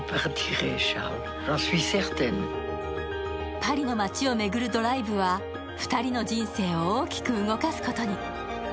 パリの街を巡るドライブは２人の人生を大きく動かすことに。